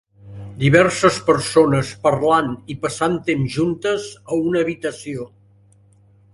Diverses persones parlant i passant temps juntes a una habitació.